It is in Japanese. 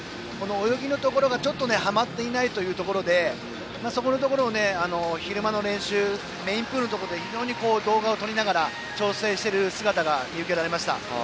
泳ぎのところがはまっていないということでそこのところを昼間の練習メインプールのところで動画を撮りながら調整している姿が見受けられました。